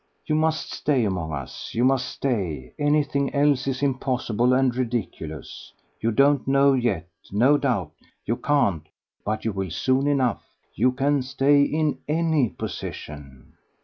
"You must stay among us you must stay; anything else is impossible and ridiculous; you don't know yet, no doubt you can't; but you will soon enough: you can stay in ANY position."